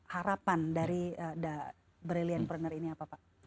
harapan dari brilliant partner ini apa pak